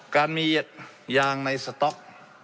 การมียางในสต๊อก